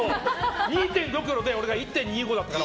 ２．５ｋｇで俺が１．２５だったから。